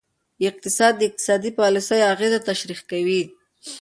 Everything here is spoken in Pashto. اقتصاد د اقتصادي پالیسیو اغیزه تشریح کوي.